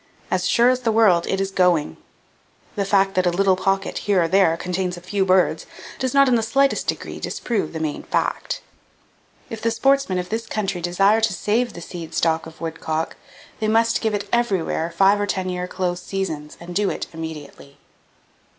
As sure as the world, it is going! The fact that a little pocket here or there contains a few birds does not in the slightest degree disprove the main fact. If the sportsmen of this country desire to save the seed stock of woodcock, they must give it everywhere five or ten year close seasons, and do it immediately!